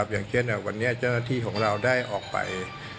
อย่างเช่นวันนี้เจ้าหน้าที่ของเราได้ออกไป